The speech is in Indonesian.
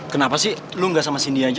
kenapa sih lo gak sama cindy aja